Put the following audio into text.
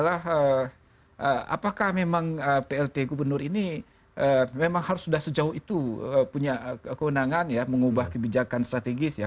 apakah memang plt gubernur ini memang harus sudah sejauh itu punya kewenangan ya mengubah kebijakan strategis ya